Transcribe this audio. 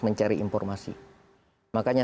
mencari informasi makanya